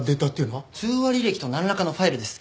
通話履歴となんらかのファイルです。